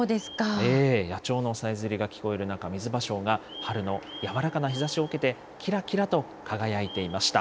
野鳥のさえずりが聞こえる中、ミズバショウが春の柔らかな日ざしを受けて、きらきらと輝いていました。